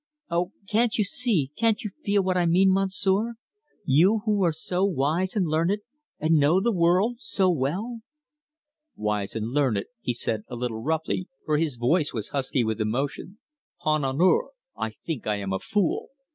Oh, can't you see, can't you feel, what I mean, Monsieur you who are so wise and learned, and know the world so well?" "Wise and learned!" he said, a little roughly, for his voice was husky with emotion. "'Pon honour, I think I am a fool!